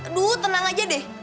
aduh tenang aja deh